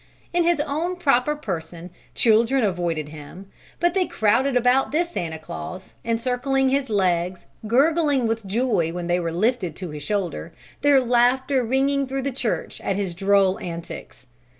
In his own proper person children avoided him, but they crowded about this Santa Claus, encircling his legs, gurgling with joy when they were lifted to his shoulder, their laughter ringing through the church at his droll antics.